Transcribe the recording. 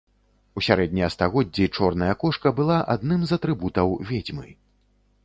У сярэднія стагоддзі чорная кошка была адным з атрыбутаў ведзьмы.